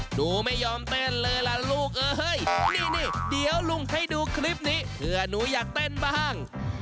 หนูไม่ยอมเต้นเลยล่ะลูกเอ้ยนี่เดี๋ยวลุงให้ดูคลิปนี้เผื่อหนูอยากเต้นบ้าง